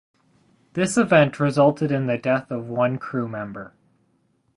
This event resulted in the death of one crew member.